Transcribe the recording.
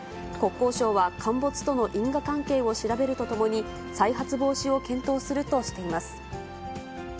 国交省は陥没との因果関係を調べるとともに、再発防止を検討するとしています。